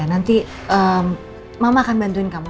nanti mama akan bantuin kamu